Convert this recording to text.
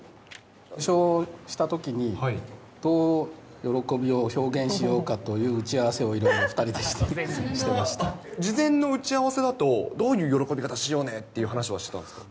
受賞したときに、どう喜びを表現しようかという打ち合わせをいろいろ２人でしてまあっ、事前の打ち合わせだと、どういう喜び方しようねっていう話をしてたんですか？